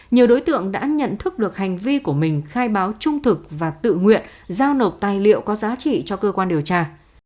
nhiều đối tượng đã nhận thức được hành vi của mình khai báo trung thực và tự nguyện giao nộp tài liệu có giá trị cho cơ quan điều tra